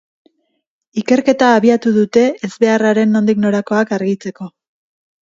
Ikerketa abiatu dute ezbeharraren nondik norakoak argitzeko.